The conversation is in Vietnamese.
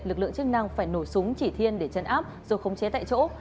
lực lượng chức năng phải nổ súng chỉ thiên để chấn áp rồi khống chế tại chỗ